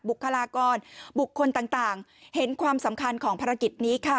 บุคลากรบุคคลต่างเห็นความสำคัญของภารกิจนี้ค่ะ